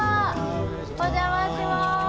お邪魔します。